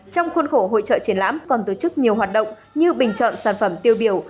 trong khuôn khổ hội trợ triển lãm còn tổ chức nhiều hoạt động như bình chọn sản phẩm tiêu biểu